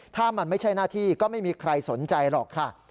ถ้ามันไม่ใช่หน้าที่ก็ไม่มีใครสนใจหรอกค่ะ